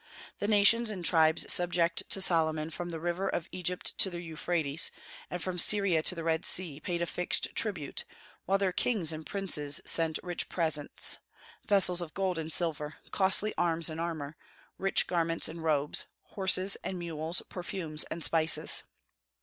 The nations and tribes subject to Solomon from the river of Egypt to the Euphrates, and from Syria to the Red Sea, paid a fixed tribute, while their kings and princes sent rich presents, vessels of gold and silver, costly arms and armor, rich garments and robes, horses and mules, perfumes and spices.